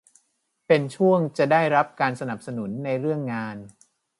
เป็นช่วงจะได้รับการสนับสนุนในเรื่องงาน